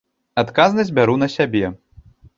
Адказнасць бяру на сябе.